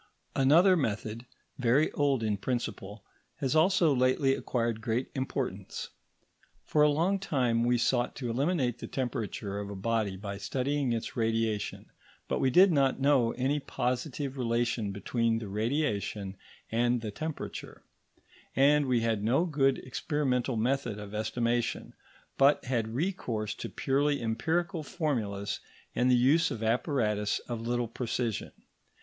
Another method, very old in principle, has also lately acquired great importance. For a long time we sought to estimate the temperature of a body by studying its radiation, but we did not know any positive relation between this radiation and the temperature, and we had no good experimental method of estimation, but had recourse to purely empirical formulas and the use of apparatus of little precision.